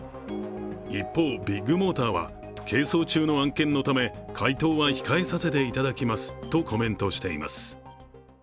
一方、ビッグモーターは、係争中の案件のため回答は控えさせていただきますとコメントしています。